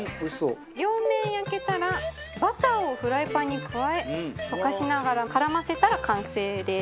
奈緒：両面、焼けたらバターをフライパンに加え溶かしながら絡ませたら完成です。